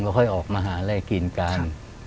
ก็ค่อยออกมาหาอะไรกินกัน